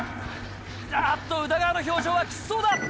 あっと宇田川の表情はきつそうだ。